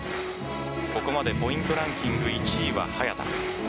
ここまでポイントランキング１位は早田。